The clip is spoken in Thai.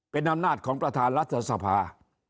เป็นอำนาจของประธานรัฐสภา